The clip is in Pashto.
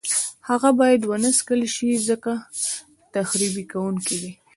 هغه باید ونه څکل شي ځکه تخریش کوونکي دي.